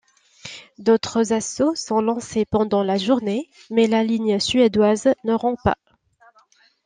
D'autres assauts sont lancés pendant la journée, mais la ligne suédoise ne rompt pas.